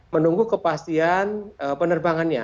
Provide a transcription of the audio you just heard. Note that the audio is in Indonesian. menunggu kepastian penerbangannya